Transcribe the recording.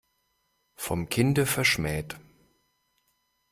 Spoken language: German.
Vom Kinde verschmäht.